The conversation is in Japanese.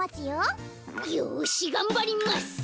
よしがんばります！